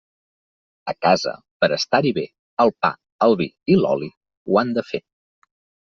A casa, per estar-hi bé, el pa, el vi i l'oli ho han de fer.